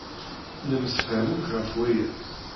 Nemsefham akk ɣef waya.